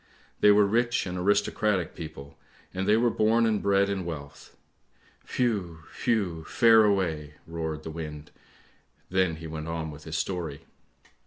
" They were rich and aristocratic people, and they were born and bred in wealth! Whew! whew! fare away! " roared the wind, then he went on with his story.